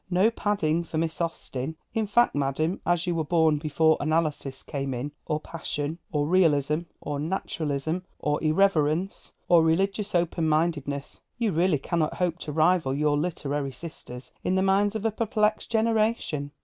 No 'padding' for Miss Austen! In fact, madam, as you were born before Analysis came in, or Passion, or Realism, or Naturalism, or Irreverence, or Religious Open mindedness, you really cannot hope to rival your literary sisters in the minds of a perplexed generation.